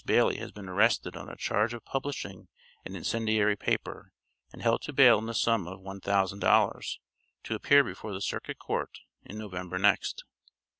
Bailey has been arrested on a charge of publishing an incendiary paper, and held to bail in the sum of $1,000, to appear before the Circuit Court, in November next.